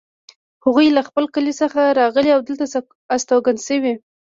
هغوی له خپل کلي څخه راغلي او دلته استوګن شوي